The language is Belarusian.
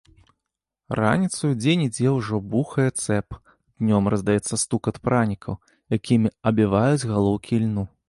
Раніцаю дзе-нідзе ўжо бухае цэп, днём раздаецца стукат пранікаў, якімі абіваюць галоўкі льну.